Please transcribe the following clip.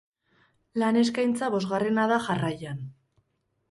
Lan eskaintza bosgarrena da jarraian.